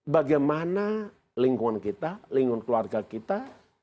bagaimana lingkungan kita lingkungan keluarga kita